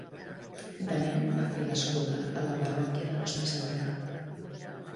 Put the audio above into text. De nen va fer d'escolà a la parròquia de Nostra Senyora.